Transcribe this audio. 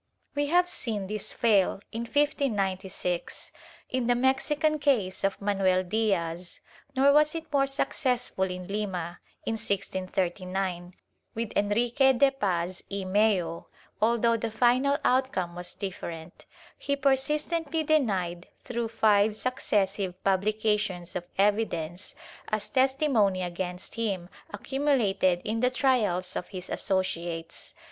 We have seen this fail, in 1596, in the Mexican case of Manuel Diaz, nor was it more successful in Lima, in 1639, with Enrique de Paz y Mello, although the final outcome was different. He persistently denied through five successive publications of evidence, as testi mony against him accumulated in the trials of his associates.